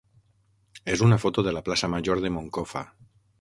és una foto de la plaça major de Moncofa.